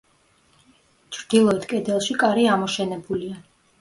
ჩრდილოეთ კედელში კარი ამოშენებულია.